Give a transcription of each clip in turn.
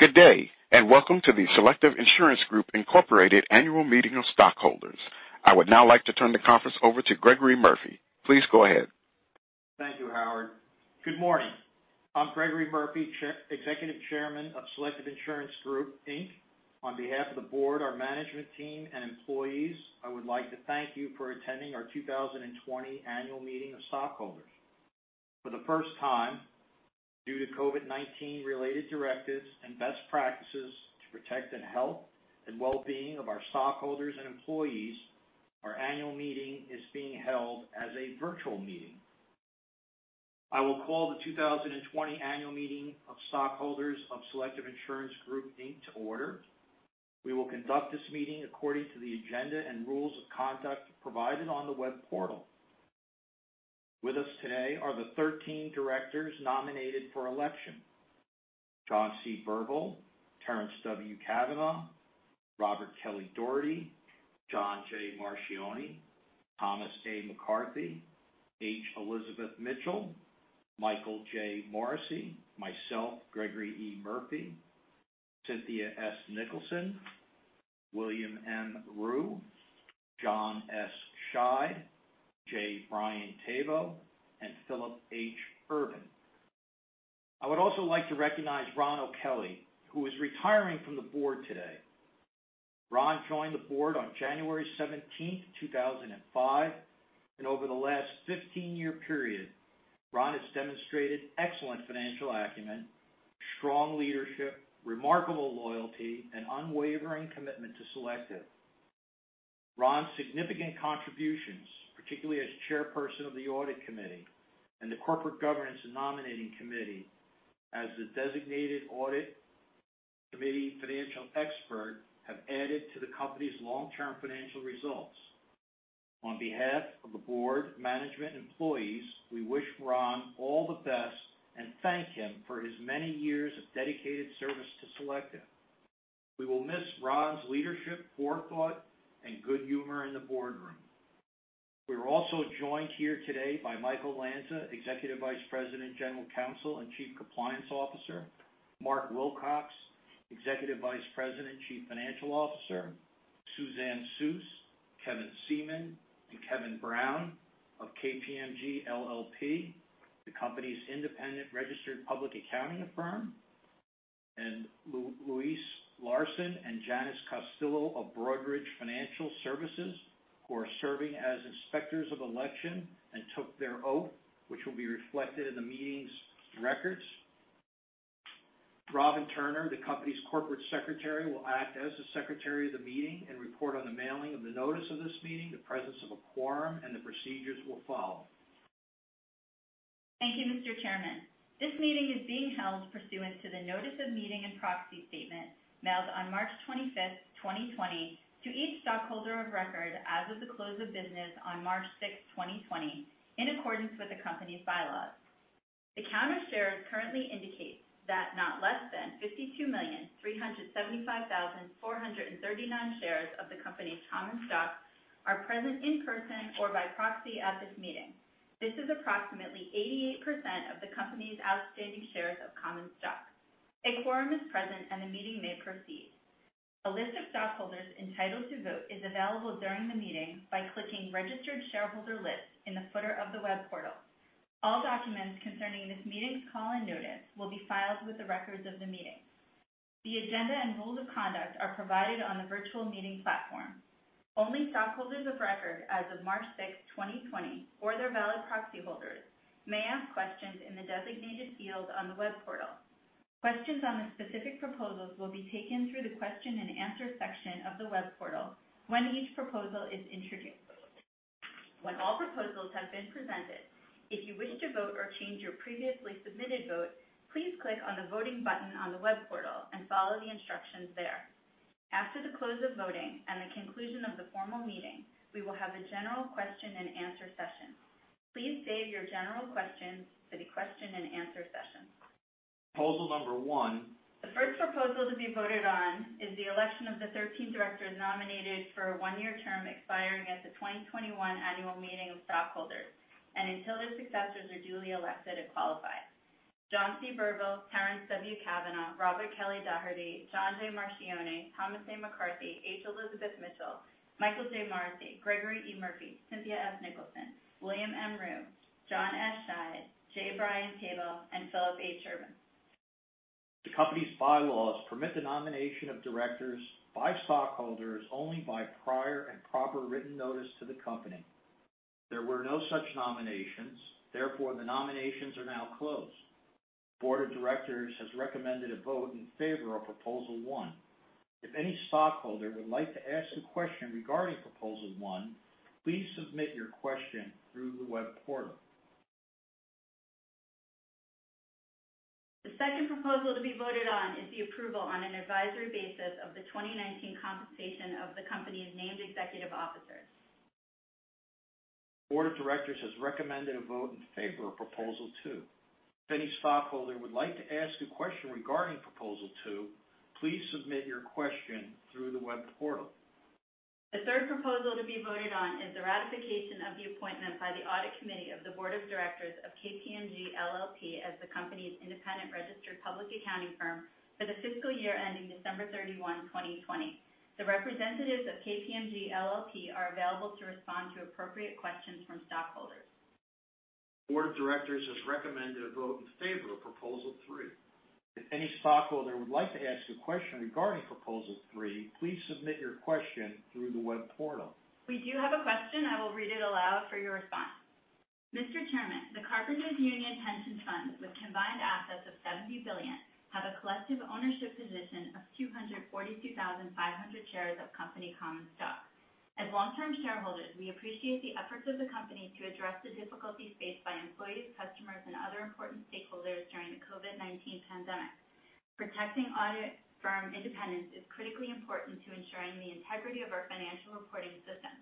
Good day, welcome to the Selective Insurance Group Incorporated annual meeting of stockholders. I would now like to turn the conference over to Gregory Murphy. Please go ahead. Thank you, Howard. Good morning. I'm Gregory Murphy, Executive Chairman of Selective Insurance Group Inc. On behalf of the board, our management team, and employees, I would like to thank you for attending our 2020 annual meeting of stockholders. For the first time, due to COVID-19 related directives and best practices to protect the health and wellbeing of our stockholders and employees, our annual meeting is being held as a virtual meeting. I will call the 2020 annual meeting of stockholders of Selective Insurance Group Inc. to order. We will conduct this meeting according to the agenda and rules of conduct provided on the web portal. With us today are the 13 directors nominated for election. John C. Burville, Terrence W. Cavanaugh, Robert Kelly Doherty, John J. Marchioni, Thomas A. McCarthy, H. Elizabeth Mitchell, Michael J. Morrissey, myself, Gregory E. Murphy, Cynthia S. Nicholson, William M. Rue, John S. Scheid, J. Brian Thebault, Philip H. Urban. I would also like to recognize Ron O'Kelly, who is retiring from the board today. Ron joined the board on January 17th, 2005, over the last 15-year period, Ron has demonstrated excellent financial acumen, strong leadership, remarkable loyalty, and unwavering commitment to Selective. Ron's significant contributions, particularly as chairperson of the audit committee and the corporate governance nominating committee as the designated audit committee financial expert, have added to the company's long-term financial results. On behalf of the board, management, and employees, we wish Ron all the best and thank him for his many years of dedicated service to Selective. We will miss Ron's leadership, forethought, and good humor in the boardroom. We are also joined here today by Michael Lanza, Executive Vice President, General Counsel, and Chief Compliance Officer. Mark Wilcox, Executive Vice President, Chief Financial Officer. Suzanne Suess, Kevin Shuman, Kevin Brown of KPMG LLP, the company's independent registered public accounting firm. Luis Larson and Janice Costello of Broadridge Financial Services, who are serving as inspectors of election and took their oath, which will be reflected in the meeting's records. Robyn Turner, the company's Corporate Secretary, will act as the secretary of the meeting and report on the mailing of the notice of this meeting, the presence of a quorum, and the procedures we'll follow. Thank you, Mr. Chairman. This meeting is being held pursuant to the notice of meeting and proxy statement mailed on March 25th, 2020, to each stockholder of record as of the close of business on March 6, 2020, in accordance with the company's bylaws. The count of shares currently indicates that not less than 52,375,439 shares of the company's common stock are present in person or by proxy at this meeting. This is approximately 88% of the company's outstanding shares of common stock. A quorum is present, the meeting may proceed. A list of stockholders entitled to vote is available during the meeting by clicking Registered Shareholder List in the footer of the web portal. All documents concerning this meeting's call and notice will be filed with the records of the meeting. The agenda and rules of conduct are provided on the virtual meeting platform. Only stockholders of record as of March 6, 2020, or their valid proxy holders may ask questions in the designated field on the web portal. Questions on the specific proposals will be taken through the question and answer section of the web portal when each proposal is introduced. When all proposals have been presented, if you wish to vote or change your previously submitted vote, please click on the voting button on the web portal and follow the instructions there. After the close of voting and the conclusion of the formal meeting, we will have a general question and answer session. Please save your general questions for the question and answer session. Proposal number 1. The first proposal to be voted on is the election of the 13 directors nominated for a one-year term expiring at the 2021 annual meeting of stockholders and until their successors are duly elected or qualify. John C. Burville, Terrence W. Cavanaugh, Robert Kelly Doherty, John J. Marchioni, Thomas A. McCarthy, H. Elizabeth Mitchell, Michael J. Morrissey, Gregory E. Murphy, Cynthia S. Nicholson, William M. Rue, John S. Scheid, J. Brian Thebault, and Philip H. Urban. The company's bylaws permit the nomination of directors by stockholders only by prior and proper written notice to the company. There were no such nominations. Therefore, the nominations are now closed. Board of Directors has recommended a vote in favor of Proposal 1. If any stockholder would like to ask a question regarding Proposal 1, please submit your question through the web portal. The second Proposal to be voted on is the approval on an advisory basis of the 2019 compensation of the company's named executive officers. Board of Directors has recommended a vote in favor of Proposal 2. If any stockholder would like to ask a question regarding Proposal 2, please submit your question through the web portal. The third Proposal to be voted on is the ratification of the appointment by the Audit Committee of the Board of Directors of KPMG LLP as the company's independent registered public accounting firm for the fiscal year ending December 31, 2020. The representatives of KPMG LLP are available to respond to appropriate questions from stockholders. Board of Directors has recommended a vote in favor of Proposal Three. If any stockholder would like to ask a question regarding Proposal Three, please submit your question through the web portal. We do have a question. I will read it aloud for your response. Mr. Chairman, the Carpenters Union Pension Fund, with combined assets of $70 billion, have a collective ownership position of 242,500 shares of company common stock. As long-term shareholders, we appreciate the efforts of the company to address the difficulties faced by employees, customers, and other important stakeholders during the COVID-19 pandemic. Protecting audit firm independence is critically important to ensuring the integrity of our financial reporting system.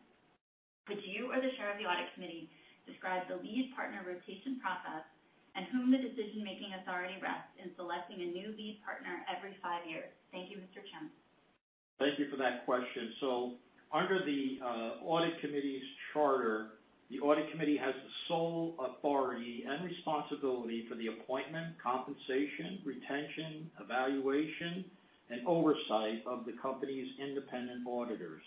Could you or the chair of the Audit Committee describe the lead partner rotation process and whom the decision-making authority rests in selecting a new lead partner every five years? Thank you, Mr. Chairman. Thank you for that question. Under the Audit Committee's charter, the Audit Committee has the sole authority and responsibility for the appointment, compensation, retention, evaluation, and oversight of the company's independent auditors.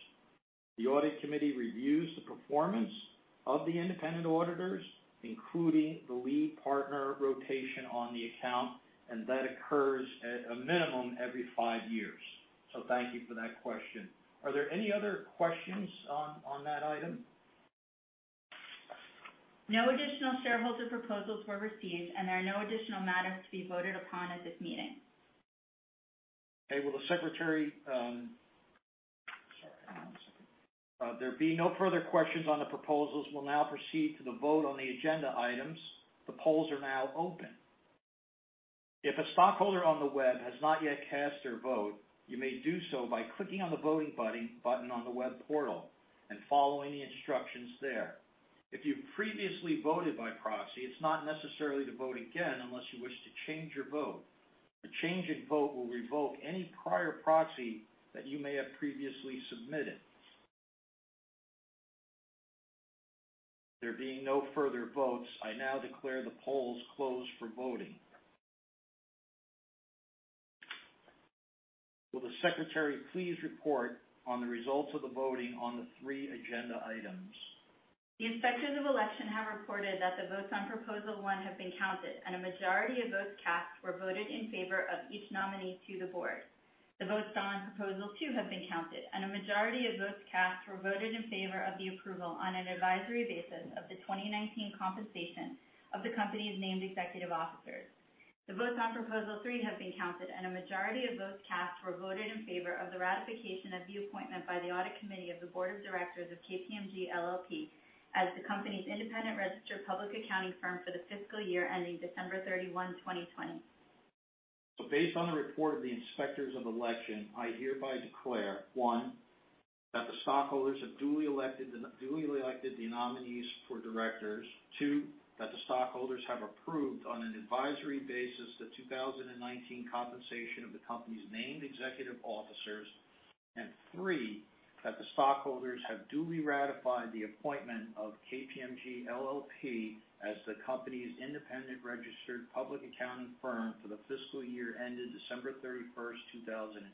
The Audit Committee reviews the performance of the independent auditors, including the lead partner rotation on the account, and that occurs at a minimum every five years. Thank you for that question. Are there any other questions on that item? No additional shareholder proposals were received, there are no additional matters to be voted upon at this meeting. Okay, will the secretary, Sorry. One second. There being no further questions on the proposals, we'll now proceed to the vote on the agenda items. The polls are now open. If a stockholder on the web has not yet cast their vote, you may do so by clicking on the voting button on the web portal and following the instructions there. If you've previously voted by proxy, it's not necessary to vote again unless you wish to change your vote. A change in vote will revoke any prior proxy that you may have previously submitted. There being no further votes, I now declare the polls closed for voting. Will the secretary please report on the results of the voting on the three agenda items? The Inspectors of Election have reported that the votes on Proposal One have been counted, and a majority of votes cast were voted in favor of each nominee to the board. The votes on Proposal Two have been counted, and a majority of votes cast were voted in favor of the approval on an advisory basis of the 2019 compensation of the company's named executive officers. The votes on Proposal Three have been counted, and a majority of votes cast were voted in favor of the ratification of the appointment by the Audit Committee of the Board of Directors of KPMG LLP as the company's independent registered public accounting firm for the fiscal year ending December 31, 2020. Based on the report of the Inspectors of Election, I hereby declare, one, that the stockholders have duly elected the nominees for directors. Two, that the stockholders have approved on an advisory basis the 2019 compensation of the company's named executive officers. three, that the stockholders have duly ratified the appointment of KPMG LLP as the company's independent registered public accounting firm for the fiscal year ending December 31, 2020.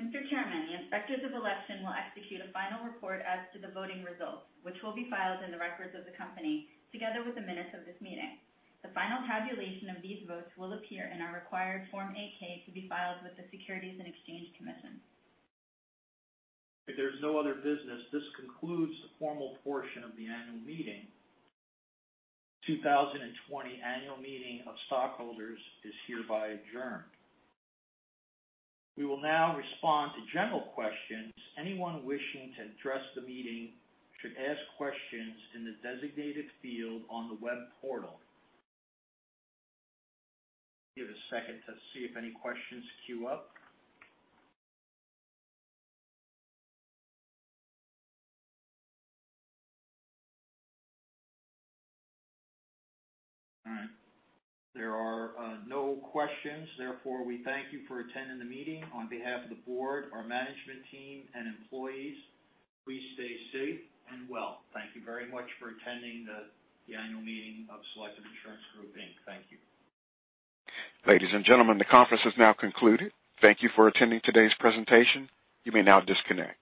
Mr. Chairman, the Inspectors of Election will execute a final report as to the voting results, which will be filed in the records of the company, together with the minutes of this meeting. The final tabulation of these votes will appear in our required Form 8-K to be filed with the Securities and Exchange Commission. If there's no other business, this concludes the formal portion of the annual meeting. 2020 annual meeting of stockholders is hereby adjourned. We will now respond to general questions. Anyone wishing to address the meeting should ask questions in the designated field on the web portal. Give it a second to see if any questions queue up. All right. There are no questions. Therefore, we thank you for attending the meeting. On behalf of the board, our management team, and employees, please stay safe and well. Thank you very much for attending the annual meeting of Selective Insurance Group, Inc. Thank you. Ladies and gentlemen, the conference is now concluded. Thank you for attending today's presentation. You may now disconnect.